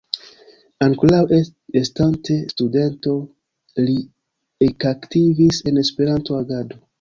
Ankoraŭ estante studento li ekaktivis en Esperanto-agado.